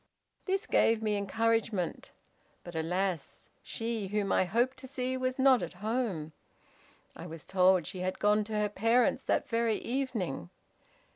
This gave me encouragement, but alas! she whom I hoped to see was not at home. I was told she had gone to her parents that very evening.